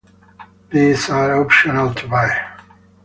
These are optional to buy.